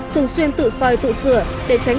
thường xuyên tự soi tự sửa để tránh